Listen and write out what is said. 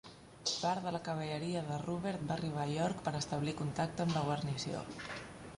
Part de la cavalleria de Rubert va arribar a York per establir contacte amb la guarnició.